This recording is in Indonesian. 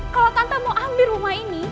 kalau tante mau ambil rumah ini